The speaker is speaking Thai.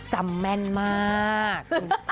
จำแม่นมาก